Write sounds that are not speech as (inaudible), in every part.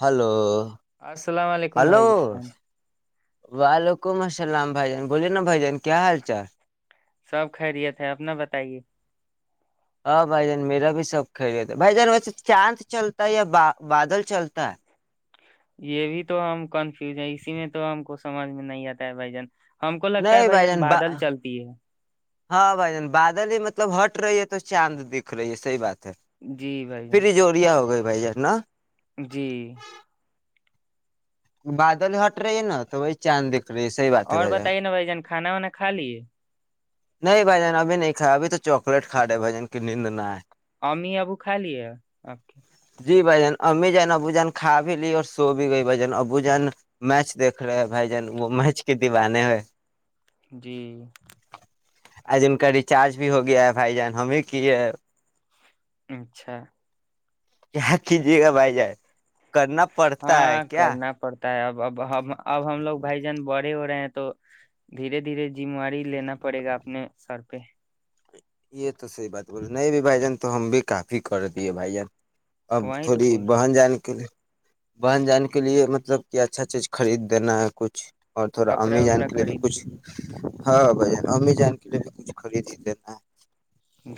hello (unintelligible) السلام علیکم hello بھائی جان وعلیکم السلام بھائی جان بوولے نا بھائی جان کیا حال چال سب خیریت ہے اپنا بتائیے ہاں بھائی جان میرا بھی سب خھریےتا بھائی جان ویسے چاند چلتا ہے یا بادل چلتا ہے یہ بھی تو ہم کنفیوز ہے اسی میں تو ہم کو سمجھ میں نہیں آتا ہے بھائی جان ہم کو لگتا ہے نہیں بھائی جن جان بادل چلتی ہے ہاں بھائی جن بادل ہی مطلب ہٹ رہی ہے تو چاند دکھ رہی ہے صح بات ہے جی بھائی پھر جان یہ جووریا ہو گئے ب ج نا (unintelligible) جی بادل ہٹ رہی ہے نا تو وہی چاند د صحی بات ہے اور بھائی بتائیے نا جان کھانا وانا کھا لیے نہیں بھائی جان ابھی نہیں کھیا ابھی تو چاکلیٹ کھا لے بھائی جان کی نیند نہ ہے امیمی ابو کہا لے آپ کے جی بھ جان امی جان ابو جان کھا بھی لی اور سو بھی گئی بھ جن ابو جان میچ دیکھ رہے ہے بھ جان وہ میچ کی دیوانے ہے جی (unintelligible) آج ان کا ریچارج بھی ہو گیا ہے بھائی جان ہم ہی کیے اچھا (unintelligible) کیا کھی جگہ بائی جائے کرنا پڑتا ہے ہاں کیا کرنا پڑتا اب اب ہم اب ہم لوگ بائی جان بڑ ہو رہے ہیں تو دھیرے دھیرے ذمہواری لینا پڑے گا اپنے سر پے (unintelligible) یہ تو صحی بات بول نہیں ب بھائی جان تو ہم بھی کافی کر دیے بھائی جان اب وہیں تو تھوڑی بول رہے ہیں بہن جانے کے لیے بن جانے کے لئے مطلب کہ اچھا چیز خرید دینا ہے کچھ اور تھوڑا کپڑا امی جان وپڑا کے لیے بھی خرید کچھ د ہاں بھ ہمیں جان کے لیے بھی کچھ خریدیتےینا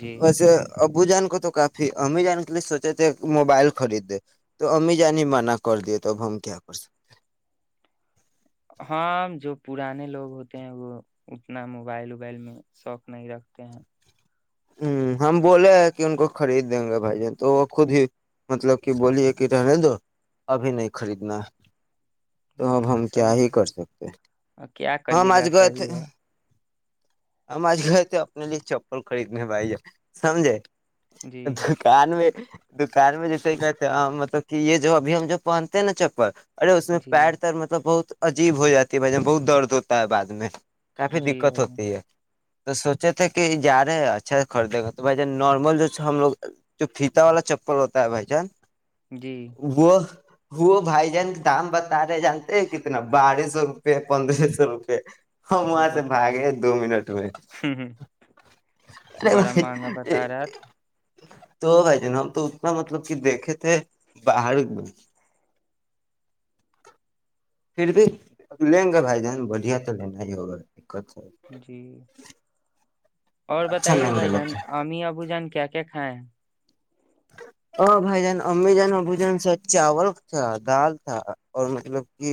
جی وسے ابو جان تو کافی ام جان کے لیے سوچے تھے موبائل خرید دے تو امی جان ہی منع کر دیے تو اب ہم کیا کر سکتے ہاں جو پرانے لوگ ہوتے ہیں وہ اتنا موبائل ابائل میں شوق نہیں رکھتے ہیں ہ ہم بولے ہیں کہ ان کو خرید دیں گے بھائی جان تو وہ خود ہی مطلب کہ بولیے کہ رہنے دو ابھی نہیں خریدنا ہے تو اب جی ہم کیا صحیح ہی تو کر سکتے اور کیا ہماں کریے گا مج گئے صحیح ہے ہم آج گئے تھے اپنے لیے چپل کڑ بائی جائے سمجے جی دکان میں بکار میں جیسے کہتے مطلب کہ یہ جو ابھی ہم جو پہنتے ہیں نا چپل ارے اس میں جی پیر تیر مطلب بہت عجیب ہو جاتی ہے بھ جان بہت درد ہوتا ہے بع میں کافی جی دقت بھائی جان ہوتی ہے تو سوچے تھے کہ جار ارے اچھا سے خریدے گا تو بھائی جان نارمل جو ہم لوگ جو فیتا والا چپل ہوتا ہے بھائی جان جی وہ ہو بھائی جان دام بتا رہے جانتے کتنا بارہ سو روپے پندرہ سو روپے ہم وہاں سے بتائیے بھاگے دو منٹ میں ارے بڑا مہنگا بھائی بتا رہا تھا تو بھائی جان ہم تو اتنا مطلب کہ دیکھے تھے باہر میں پھر بھی لیں گے بھائی جان بڑھیا تو لینا ہی ہوگا دقت ہے جی اور اچھا بتائیے لیں نا گے بھائی لوگ جان ااممی ابو جان کیا کائےیں ا بھائی جان امی جان بھجن سے چاول تھا دال تھا اور مطلب کہ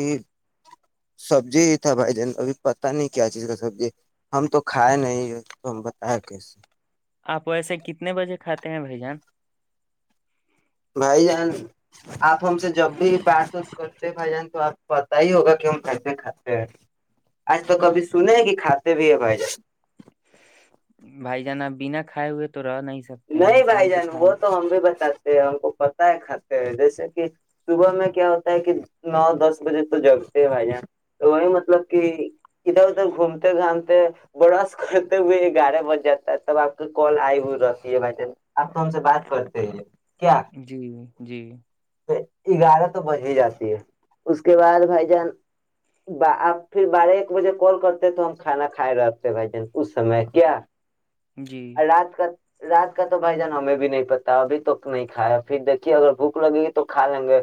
سبزی تھا بھائی جان ابھی پتا نہیں کیا چیز کا سبزی ہم تو کھائے نہیں تو ہم بتایا کیسے آپ ویسے کتنے بجے کھاتے ہیں بھائی جان بھائی جان آپ ہم سے جب بھی پارسس کرتے بھائی جان تو آپ پتتا ہی ہوگا کہ ہم کیس کھاتے ہیں آج تو کبھی سنے ہیں کہ کھاتے بھی ہے بھائی جان بھائی جانا بنا کائے ہوئے تو رہ نہیں سکتے ہیں نہیں بھائی انسان تو جان کھا وہ تو ہم بھی بتاکتے ہیں ہم کو پت ہے کھاتے ہو جیسے کہ صبح میں کیا ہوتا ہے کہ نو دس بجے تو جگتے ہیں بھائی جان تو وہی مطلب کہ ادھر ادھر گھومتے گھامتے برش کرتے ہوئے گیارہ بج جاتا ہے تب آپ کا کال آئی ہوئی ر ج بھائی آپ تو ہم سے بات کرتے ہیں جی جی گیارہ تو بج ہی جاتی ہے اس کے بعد بھائی جان آپ پھر بارہ ایک بجے کال کرتے تو ہم کھانا کھائے رہ آتے بھائی جان اس سمے کیا جی اللہاز کا رات کا تو بھائی جان ہمیں بھی نہیں پتا ابھی توک نہیں کھایا پھر دیکھیے اگر بھوک لگے گی تو کھا لیں گے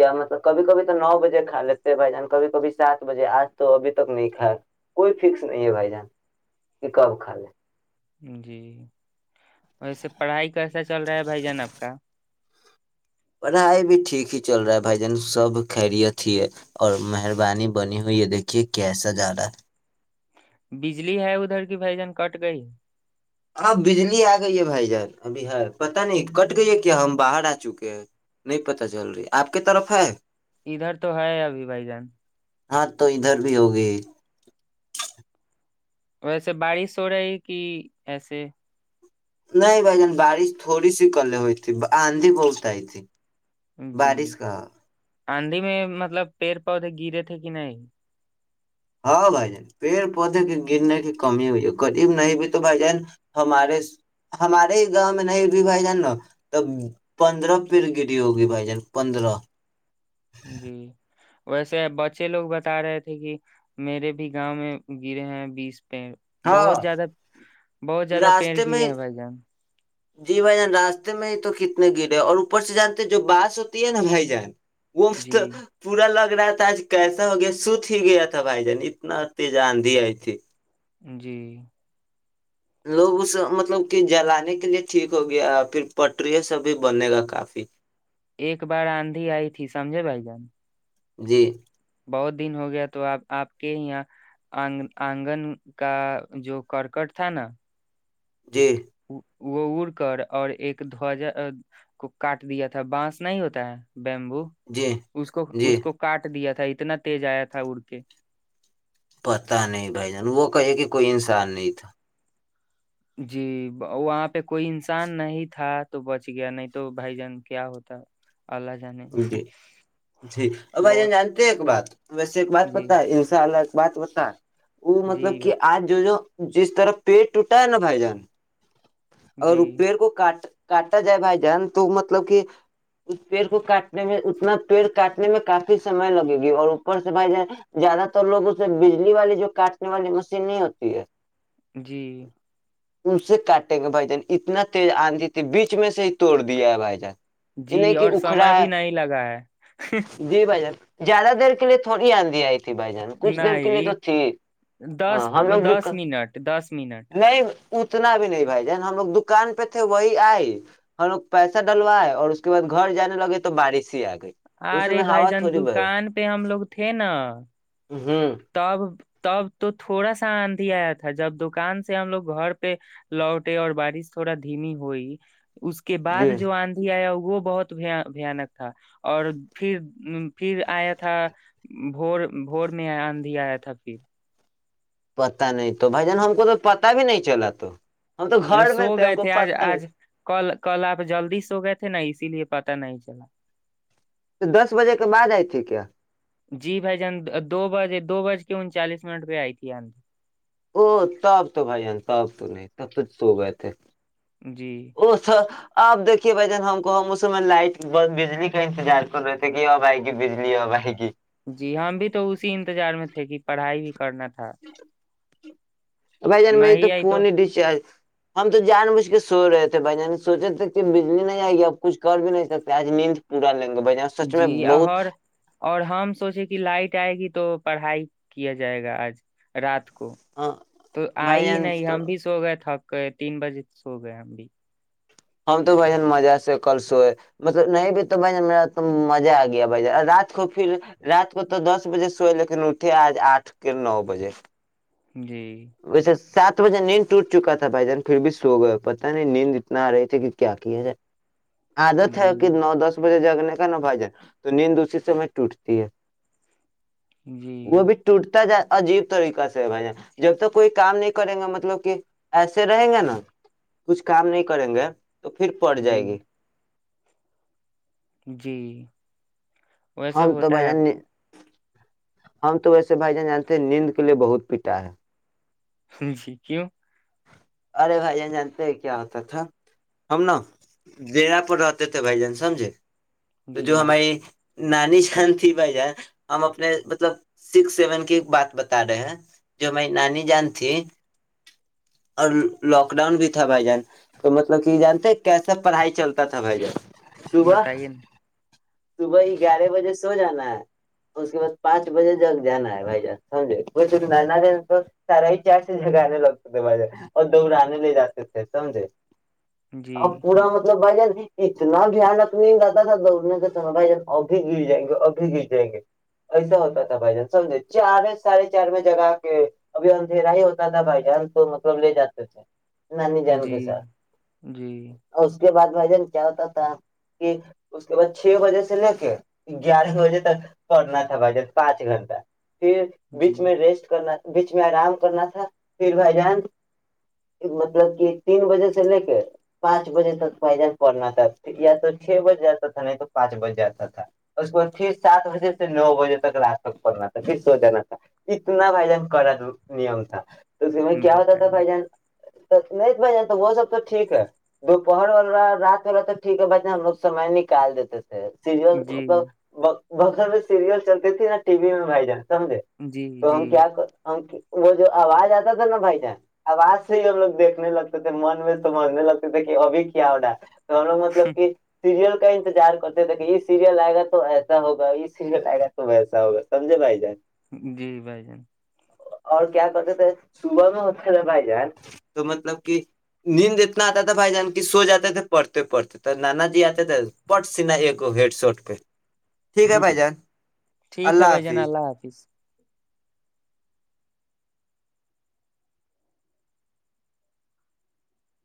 یا مطلب کبھی کبھی تو نو بجے کھا لیتے بھائی جان کبھی کبھی سات بجے آج تو ابھی تک نہیں کھایا کوئی فکس نہیں ہے بھائی جان کہ کب کھا لے جی وسے پڑھائی کیسا چل رہا ہے بھائی جان آپ کا پڑھائی بھی ٹھیک ہی چل رہا ہے بھائی جان سب خیریت ہے اور مہربانی بنی ہوئی یہ دیکھیے کیسا جا رہا ہے بجلی ہے ادھر کی بھائی جان کٹ گئی آب بجلی آ گئی ہے بھائی جان ابھی ہے پت نہیں کٹ گئی کیا ہم باہر آ چکے ہیں نہیں پتا چل رہی آپ کی طرف ہے ادھر تو ہے ابھی بھائی جان ہاں تو ادھر بھی ہوگی ویسے بارش ہو رہی کہ ایسے نہیں بھائی جان بارش تھوڑی سی کلے ہوئی تھی آندھی بہت آئی تھی جی بارش کا آندھی میں مطلب پیڑ پودے گرے تھے کہ نہیں ہاں بھائی جان پیڑ پودے کی گرنے کی کمی ہوئی ہے ریب نہیں بھی تو بھائی جان ہمارے ہمارے ہی گاؤں میں نہیں بھی بھائی جان نا تب پندرہ پیڑ گری ہوگی بھائی جان پندرہ جی ویسے بچے لوگ بتا رہے تھے کہ میرے بھی گاؤں میں گرے ہیں بیس پ ہاں بہت زیادہ بہت زیادہ پییر راستے گرے میں ہیں بھائی جان جی بھائی جان راستے میں ہی تو کتنے گرے اور اوپر سے جانتے جو باس ہوتی ہے نا بھائی جان وہت جی پورا لگ ر تھا آج کیسا ہو گیا سوت ہی گیا تھا بھائی جان اتنا ا ت آندھی آئی تھی جی لوگ اس مطلب کہ جلانے کے لیے ٹھیک ہو گیا پھر پٹریوں سے بھی بنے گا کافی ایک بار آندھی آئی تھی سمجے بھائی جان جی بہت دن ہو گیا تو آپ آپ کے یہاںگ آنگن کا جو کرکٹ تھا نا جی وہ اڑ کر اور ایک دھوجہ کو کاٹ دیا تھا بانس نہیں ہوتا ہے بیمبو جی اس کو جی اس کو کاٹ دیا تھا تھا اتنا تیز آیا تھا اڑ کے پتا نہیں بھائی جان وہ کہے کہ کوئی انسان نہیں تھا جی وہاں پہ کوئی انسان نہیں تھا تو بچ گیا نہیں تو بھائی جان کیا ہوتا اللہ جانے جی جی ا بھائی جان بہت جانتے ہیں ایک بات ویسے ایک بات پت جی ہے ان شاء اللہ بات بتا وہ جی مطلب کہ آج جو جو جس طرح پیٹ ٹوٹا ہے نا بھائی جان اور جی روپیر کو کاٹ کاٹا جائے بھائی جان تو مطلب کہ اس پیڑ کو کاٹنے میں اتنا پیڑ کاٹنے میں کافی سمے لگے گی اور اوپر سے بھائی جان زیادہ تر لوگوں سے بجلی والی جو کاٹنے والی مشین نہیں ہوتی ہے جی ان سے کاٹ بھائی جان اتنا تیز آندی تھی بیچ میں سے ہی توڑ دیا ہے بھائی جان یہ جی نہیں کہ اور اکھڑا سمے بھی ہے نہیں لگا ہے جی بھائی جان زیادہ دیر کے لی تھوڑی آندی آئی بھائی جان کچھ دیر کے نہیں تو تھی دس ہاں ہم لوگ دکھ دس کر منٹ دس منٹ نہیں اتنا بھی نہیں بھائی ن ہم لوگ دکان پہ تھے وہی آئے ہم لوگ پیسہ ڈلوائے اور اس کے بعد گھر جانے لگے تو بارش ہی آ گئے ارے بھائی جان دکان پہ ہم لوگ تھے نا ہوں تب تب تو تھوڑا سا آندھی آیا تھا جب دکان سے ہم لوگ گھر پہ لوٹے اور بارش تھوڑا دھیمی ہوئی اس کے بعد جی جو آندھی آیا وہ بہت بانک تھا اور پھر پھر آیا تھا بور بور میں بھی آیا تھا پھر پتا نہیں تو بھائی جان ہم کو تو پتا بھی نہیں چلا تو ہم تو گھر سو میں ہم گئے کو تھے آج پتا بھی آج کل کل آپ جلدی سو گئے تھے نا اسی لیے پت نہیں چلا تو دس بجے کے بعد آئی تھی کیا جی بھائی جان دو بجے دو بج کے انچالیس منٹ پہ آئی تھی اند او تاپ تو بھائی جان تاپ تو نہیں تب کچھ سو گئے تھے جی اس اب دھیے بھ جن ہم کو اس میں لائٹ بند بجلی کا انتظار کر رہے تھے کہ اب آئے گی بجلی اب آئے گی جی ہم بھی تو اسی انتظار میں تھے کہ پڑھائی بھی کرنا تھا ہاں بھائی جان مری تو فون ہی ریچارج ہم تو جان بوجھ کے سو رہے تھے بھائی ج سوچے تک بجلی نہیں آئے گی اب کچھ کر بھی نہیں سکتے آج نیند پورا لگ جی اور اور ہم سوچے کہ لائٹ آئے گی تو پڑھائی کیا جائے گا آج رات کو کو تو بھائی آئی ہی نہیں جان ہم بھی سو گئے تھک تین بجے سو گئے ہم بھی ہم تو بھ جن مزہ سے کل سوئے مطلب نہیں بھی تو بھن میرا مزہ آ گیا بھ جن رات کو پھر رات کو تو دس بجے سوئے لیکن اٹھے آج آٹھ کے نو بجے جی ویسے سات بجے نیند ٹوٹ چکا تھا بھائی جان پھر بھی سو گئے ہو پتا نہیں نیند اتنا آ رہی تھی کہ کیا جائے عادت ہے جی کہ نو دس بجے جا کا نا بھاجن تو نیند اسی سے میں ٹوٹتی ہے وہ جی بھی ٹوٹتا جا عجیب طریقہ سے بھ جب تک کوئی کام نہیں کریں گے مطلب کہ ایسے رہیں گے نا کچھ کام نہیں کریں گے تو پھر پڑ جی جائے گی جی ویسے ہم تو بھائی ہوتا ہے جان ہم تو ویسے بھائی جان جانتے ہیں نیند کے لیے بہت پیٹا ہے جی کیوں ارے بھائی جان جانتے کیا ہوتا تھا ہم نا دیرا پور رہتے تھے بھائی جان سمجھے تو جی جو ہماری نانی جان تھی بھائی جان ہم اپنے مطلب سکس سیون کی بات بتا رہے ہیں جو ہماری نانی جان تھی اور لاک ڈاؤن بھی تھا بھائی جان تو مطلب کہ جانتے کیسا پڑھائی چلتا تھا بھائی جان صبح بتائیے نا (unintelligible) صبح ہی گیارہ بجے سو جانا ہے اس کے بعد پانچ بجے جگ جانا ہے بھائی جان سمجھے د سارا ہی چار سے جگ آنے لگتا ب اور دوراننے لے جاتے تھے سمجھے جی ا پورا مطلب (unintelligible) بھائی جان اتنا دھیان اپنے رہاتا تھا دوڑنے کا س بھائی جان ابھی گر جائیں گے اب گر جائیں گے ایسا ہوتا تھا بھائی جان سمجھے چار ساھے چار میں جگا کے ابھی اندھیرا ہی ہوتا تھا بھائی جان تو مطلب لے جاتے تھے نانی جان کے جی ساتھ جی اور اس کے بعد بھائی جان کیا ہوتا تھا کہ اس کے بعد چھ بجے سے لے کے گیارہ بجے تک پڑنا تھا بھائی جان پانچ گھنٹہ پھر جی بیچ میں ریسٹ کرنا بیچ میں آرام کرنا تھا پھر بھائی ان مطلب کہ تین بجے سے لے کے پانچ بجے تک بھائی جان پڑھنا تھا یا تو چھ بجے جاتا تھا نہیں تو پانچ بج جاتا تھا اس کے بعد پھر سات بجے سے نو بجے تک رات تک پڑھنا تھا پھر سو جانا تھا اتنا بھائی جان کرا نیم تھا کیا ہوتا تھا بتائیے بائی جان نہیں بھ تو وہ سب تو ٹھیک ہے دوپہر والا رات والا تو ٹھیک ہے ب ہم لوگ سمے نکال دیتے تھ جی س مطلبت (unintelligible) بر میں سیریل چلتی تھی نہا ٹی وی میں بھائی جان سمجھے جی تو جی ہم کیا ہم (unintelligible) وہ جو آواز آتا تھا نا بھائی اب آج سے ہی ہم لگ دیکھنے لگتے تھے من میں تو مرنے لگتے تھے کہ ابھی کیا ہو ڈا تونا مطلب کہ سیریل کا انتظار کرتے دیکے یہ سیریل آئے گا تو ایسا ہوگا یہ سیریل آئے گا تو ویسا ہوگا سمجھے بھائی جان جی بھائی جان اور کیا کرتے تھے صبح میں ہو بھائی جان تو مطلب کہ نیند اتنا آتا تھا بھائی جان کی سو جاتے تھے پڑھتے پڑتے تھ نانا جی آتے تھے پٹ س ن ایک ہیڈ سوٹ کے ٹھیک ہے بھائی جانا اللہ حافظ